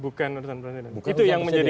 bukan urusan presiden itu yang menjadi